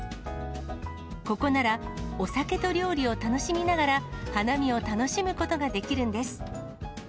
ここならお酒と料理を楽しみながら、花見を楽しむことができるんです。